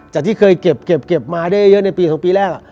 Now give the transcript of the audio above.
จากที่เคยเก็บมาได้เยอะในปีแรก